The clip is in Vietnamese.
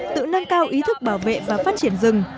tự nâng cao ý thức bảo vệ và phát triển rừng